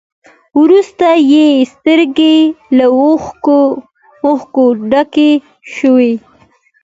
وروسته يې سترګې له اوښکو ډکې شوې.